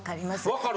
分かる？